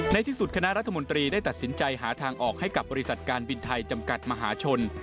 ในที่สุดคณะรัฐมนตรีได้ตัดสินใจหาทางออกให้กับบริษัทการบินไทยจำกัดมหาชน